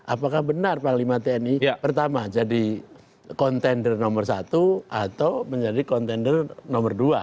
apakah benar panglima tni pertama jadi kontender nomor satu atau menjadi kontender nomor dua